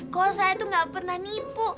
kok saya itu gak pernah nipu